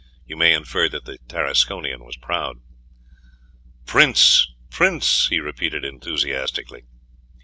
You may infer that the Tarasconian was proud. "Prince, prince!" he repeated enthusiastically.